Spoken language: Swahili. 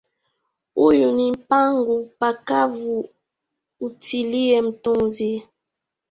Huyu ni mpangu pakavu ntilie mtuzi